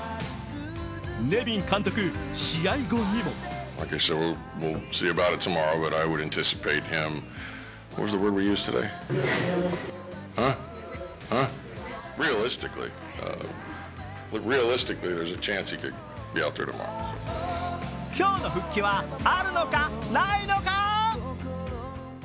ネビン監督、試合後にも今日の復帰はあるのか、ないのか？